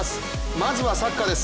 まずはサッカーです